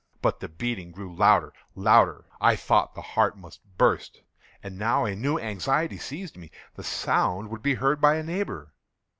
But the beating grew louder, louder! I thought the heart must burst. And now a new anxiety seized me—the sound would be heard by a neighbour!